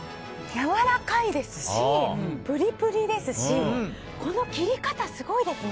やわらかいですしプリプリですしこの切り方、すごいですね。